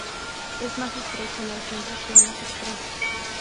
Es más estrecho en el centro que en los extremos.